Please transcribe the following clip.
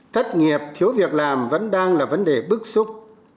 thất nghiệp thiếu việc làm vẫn đang là vấn đề bức xúc